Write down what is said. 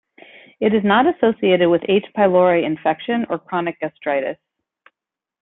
It is not associated with H. pylori infection or chronic gastritis.